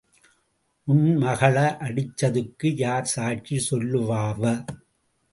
உன் மகள அடிச்சதுக்கு யார் சாட்சி சொல்லுவாவ?